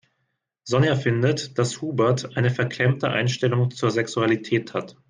Sonja findet, dass Hubert eine verklemmte Einstellung zur Sexualität hat.